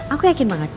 aku yakin banget